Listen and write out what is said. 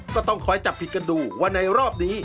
ก็ต้องคอยจับผิดกันดูว่าในรอบนี้